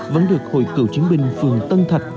vẫn được hội kiệu chiến binh phường tân thạch